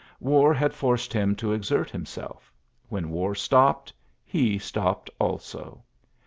War had forced him to exert himself When war stopped, he stopped also.